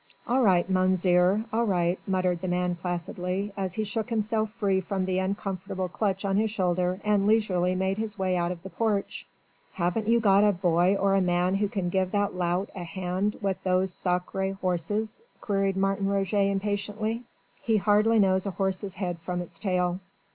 "All right, Mounzeer, all right," muttered the man placidly, as he shook himself free from the uncomfortable clutch on his shoulder and leisurely made his way out of the porch. "Haven't you got a boy or a man who can give that lout a hand with those sacré horses?" queried Martin Roget impatiently. "He hardly knows a horse's head from its tail."